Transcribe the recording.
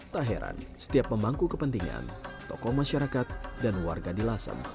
tak heran setiap pemangku kepentingan tokoh masyarakat dan warga di lasem